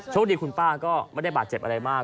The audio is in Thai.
คดีคุณป้าก็ไม่ได้บาดเจ็บอะไรมาก